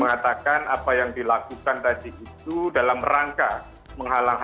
untuk mengingat warganyaubeh artistik